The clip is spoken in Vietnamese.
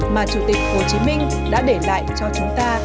mà chủ tịch hồ chí minh đã để lại cho chúng ta